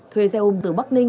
thuê xe ôm từ bắc ninh